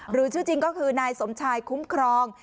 ชื่อจริงก็คือนายสมชายคุ้มครอง